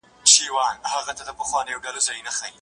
ولي ځوانان بې روزګاره دي؟